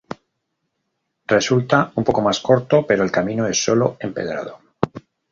Resulta un poco más corto pero el camino es sólo empedrado.